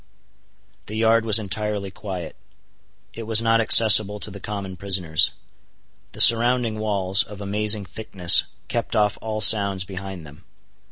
The yard was entirely quiet. It was not accessible to the common prisoners. The surrounding walls, of amazing thickness, kept off all sounds behind them.